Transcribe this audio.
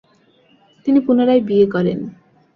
তিনি পুনরায় বিয়ে করেন।